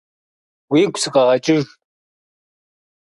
Уигу сыкъэгъэкӀыж.